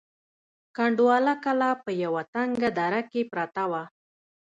کنډواله کلا په یوه تنگه دره کې پرته وه.